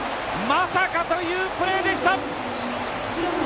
まさかというプレーでした！